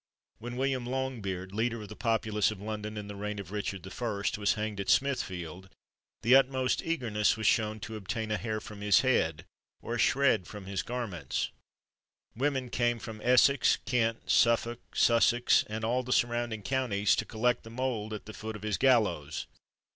When William Longbeard, leader of the populace of London in the reign of Richard I., was hanged at Smithfield, the utmost eagerness was shewn to obtain a hair from his head, or a shred from his garments. Women came from Essex, Kent, Suffolk, Sussex, and all the surrounding counties, to collect the mould at the foot of his gallows.